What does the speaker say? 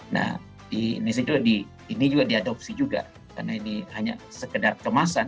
nah ini juga diadopsi juga karena ini hanya sekedar kemasan